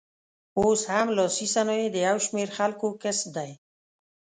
اوس هم لاسي صنایع د یو شمېر خلکو کسب دی.